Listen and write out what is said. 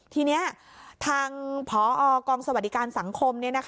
ทีนี้ทางพอกองสวัสดิการสังคม